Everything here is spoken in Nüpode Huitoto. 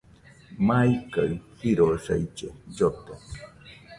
Maikaɨ jirosaille llote